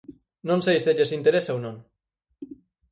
Non sei se lles interesa ou non.